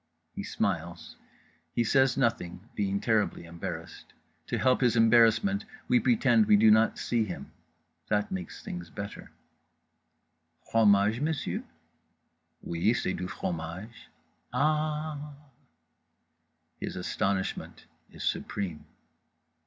He smiles. He says nothing, being terribly embarrassed. To help his embarrassment, we pretend we do not see him. That makes things better: "Fromage, monsieur?" "Oui, c'est du fromage." "Ah h h h h h h…." his astonishment is supreme.